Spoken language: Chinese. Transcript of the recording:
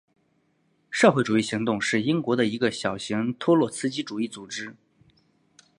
社会主义行动是英国的一个小型托洛茨基主义组织。